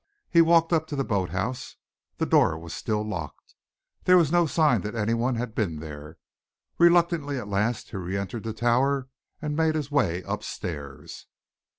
He walked up to the boat house. The door was still locked. There was no sign that any one had been there. Reluctantly at last he re entered the Tower and made his way up stairs.